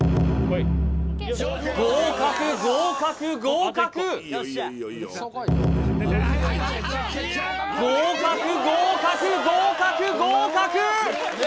合格合格合格合格合格合格合格！